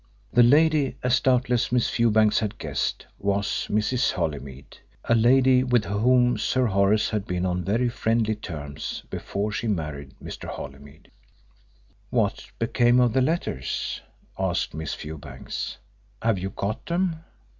That lady, as doubtless Miss Fewbanks had guessed, was Mrs. Holymead a lady with whom Sir Horace had been on very friendly terms before she married Mr. Holymead. "What became of the letters?" asked Miss Fewbanks. "Have you got them?"